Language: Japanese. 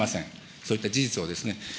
そういった事実をですね。